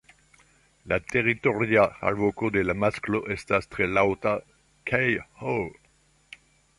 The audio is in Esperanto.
La teritoria alvoko de la masklo estas tre laŭta "kej-oh".